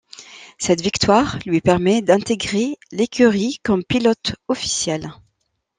Cette victoire lui permet d'intégrer l'écurie comme pilote officiel.